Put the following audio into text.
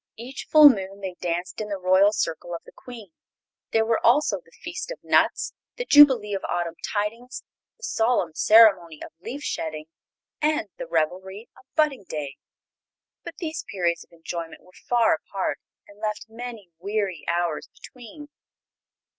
Each full moon they danced in the Royal Circle of the Queen. There were also the Feast of Nuts, the Jubilee of Autumn Tintings, the solemn ceremony of Leaf Shedding and the revelry of Budding Day. But these periods of enjoyment were far apart, and left many weary hours between.